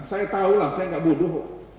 saya tahu lah saya enggak butuh